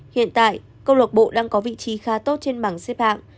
hiện tại cầu lọc bộ đang có vị trí khá tốt trên bảng xếp hạng